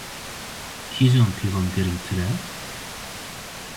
Kîjan pîvan girîngtir e?